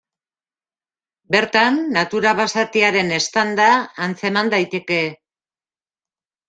Bertan, natura basatiaren eztanda antzeman daiteke.